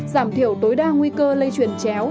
giảm thiểu tối đa nguy cơ lây chuyển chéo